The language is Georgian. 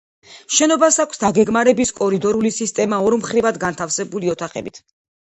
შენობას აქვს დაგეგმარების კორიდორული სისტემა ორმხრივად განთავსებული ოთახებით.